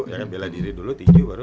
ya kan bela diri dulu tinju baru